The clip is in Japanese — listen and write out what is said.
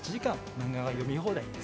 漫画が読み放題です。